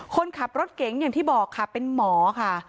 คนขับรถเก๋งอย่างที่บอกค่ะเป็นหมอค่ะ